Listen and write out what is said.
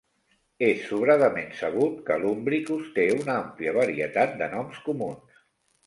És sobradament sabut que "Lumbricus" té una àmplia varietat de noms comuns.